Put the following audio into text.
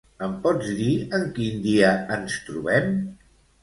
Em pots dir en quin dia ens trobem?